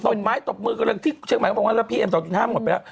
ต้นไม้ตกมือกันที่เชียงใหม่เขาบอกว่าพี่เอ็ม๒๕หมดไปแล้ว